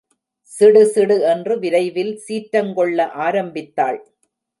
சிடு சிடு என்று விரைவில் சீற்றங்கொள்ள ஆரம்பித்தாள்.